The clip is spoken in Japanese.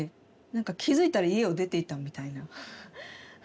何か気付いたら家を出ていたみたいな。